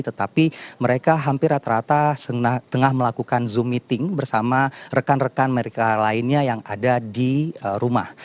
tetapi mereka hampir rata rata tengah melakukan zoom meeting bersama rekan rekan mereka lainnya yang ada di rumah